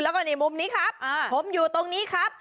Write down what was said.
แล้วก็ในมุมนี้ครับผมอยู่ตรงนี้ครับ